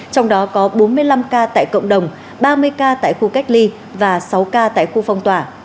trong đó có bốn mươi năm ca tại cộng đồng ba mươi ca tại khu cách ly và sáu ca tại khu phong tỏa